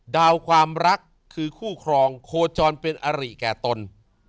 ความรักคือคู่ครองโคจรเป็นอริแก่ตน